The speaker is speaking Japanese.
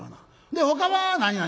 でほかは何が？」。